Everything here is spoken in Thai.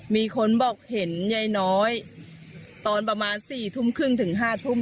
มีคนบอกเห็นยายน้อยตอนประมาณ๔ทุ่มครึ่งถึง๕ทุ่ม